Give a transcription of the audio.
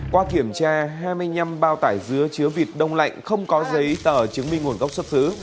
qua kiểm tra hai mươi năm bao tải dứa chứa vịt đông lạnh không có giấy tờ chứng minh nguồn gốc xuất xứ